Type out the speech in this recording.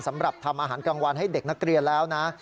สำหรับทำอาหารกลางวันให้เด็กนักเรียนแล้วนะ